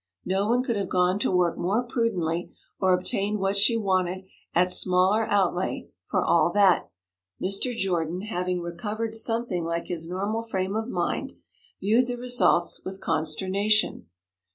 No one could have gone to work more prudently, or obtained what she wanted at smaller outlay; for all that, Mr. Jordan, having recovered something like his normal frame of mind, viewed the results with consternation.